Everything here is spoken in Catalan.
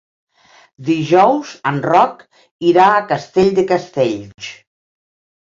Dijous en Roc irà a Castell de Castells.